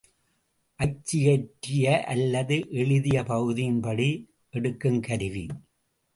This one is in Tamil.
அச்சியற்றிய அல்லது எழுதிய பகுதியின் படி எடுக்குங் கருவி.